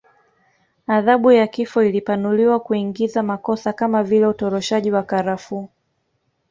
Adhabu ya kifo ilipanuliwa kuingiza makosa kama vile utoroshaji wa karafuu